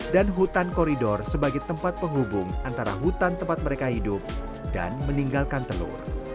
dan hutan koridor sebagai tempat penghubung antara hutan tempat mereka hidup dan meninggalkan telur